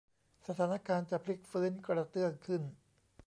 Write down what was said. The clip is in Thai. สถานการณ์จะพลิกฟื้นกระเตื้องขึ้น